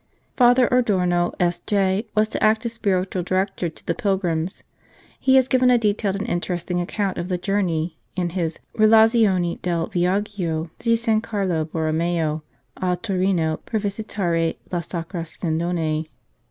Father Adorno, S.J., was to act as spiritual director to the pilgrims. He has given a detailed and interesting account of the journey Lin his " Relazione del Viaggio di San Carlo Borromeo a Torino per visitare la Sacra Sindone."